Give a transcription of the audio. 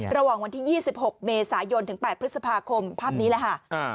ระหว่างวันที่๒๖เมษายนถึง๘พฤษภาคมภาพนี้แหละค่ะ